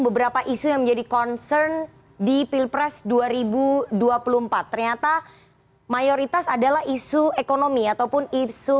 beberapa isu yang menjadi concern di pilpres dua ribu dua puluh empat ternyata mayoritas adalah isu ekonomi ataupun isu